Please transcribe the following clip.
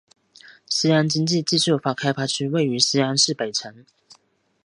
西安经济技术开发区位于西安市北城。